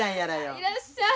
いらっしゃい。